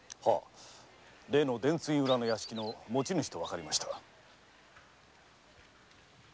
例の伝通院裏の屋敷の持ち主とわかりました。